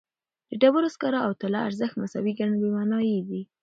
د ډبرې سکاره او طلا ارزښت مساوي ګڼل بېمعنایي ده.